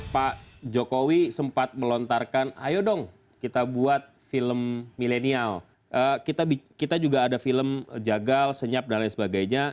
pak jokowi sempat melontarkan ayo dong kita buat film milenial kita juga ada film jagal senyap dan lain sebagainya